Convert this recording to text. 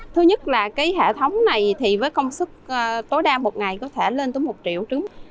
thứ nhất là hệ thống này với công sức tối đa một ngày có thể lên tới một triệu trứng